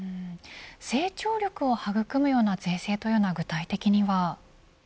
成長力を育むような税制というのは具体的には。